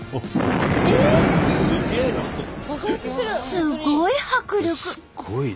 すごい迫力！